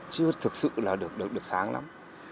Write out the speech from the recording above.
chưa thực sự là được sáng lắm